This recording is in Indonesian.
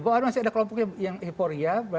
bahwa ada kelompok yang eporia